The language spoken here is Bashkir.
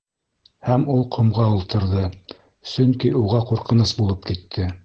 Һәм ул ҡомға ултырҙы, сөнки уға ҡурҡыныс булып китте.